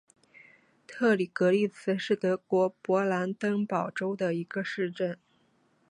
特里格利茨是德国勃兰登堡州的一个市镇。